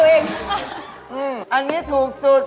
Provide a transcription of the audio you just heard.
อันนี้ถูกสุด